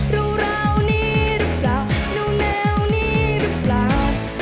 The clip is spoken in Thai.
ราวนี้รึเปล่าแนวนี้รึเปล่า